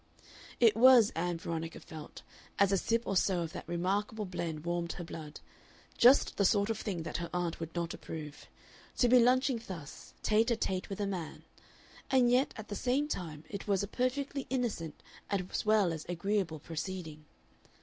It was, Ann Veronica felt, as a sip or so of that remarkable blend warmed her blood, just the sort of thing that her aunt would not approve, to be lunching thus, tete a tete with a man; and yet at the same time it was a perfectly innocent as well as agreeable proceeding.